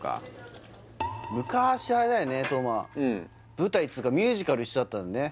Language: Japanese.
舞台っつーかミュージカル一緒だったんだね